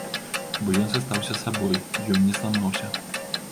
Бо ён застаўся сабой, ён не зламаўся.